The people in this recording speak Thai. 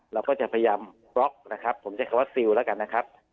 เราก็จะพยายามบล็อกนะครับผมใช้คำว่าซิลแล้วกันนะครับ